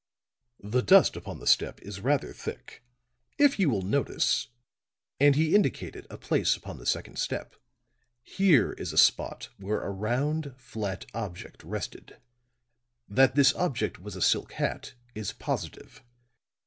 The dust upon the step is rather thick. If you will notice," and he indicated a place on the second step, "here is a spot where a round, flat object rested. That this object was a silk hat is positive.